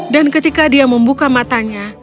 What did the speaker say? dan ketika dia membuka matanya